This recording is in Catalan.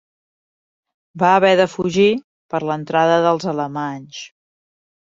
Va haver de fugir per l'entrada dels alemanys.